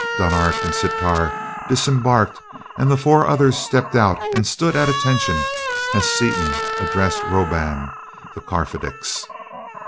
Dunark and Sitar disembarked and the four others stepped out and stood at attention as Seaton addressed Roban, the Karfedix.